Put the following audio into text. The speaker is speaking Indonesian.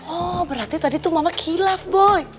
oh berarti tadi tuh mama kilaf boy